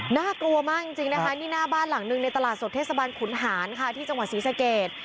น่ากลัวมากจริงนะคะนี่หน้าบ้านหลังหนึ่งในตลาดสดเทศบาลขุนหารค่ะที่จังหวัดศรีสเกต